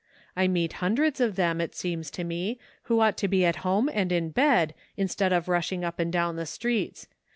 I meet hun dreds of them, it seems to me, who ought to be at home and in bed, instead of rushing up and down the streets.